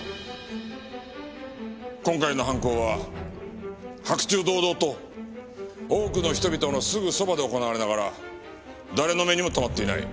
今回の犯行は白昼堂々と多くの人々のすぐそばで行われながら誰の目にも留まっていない。